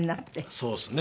そうですね。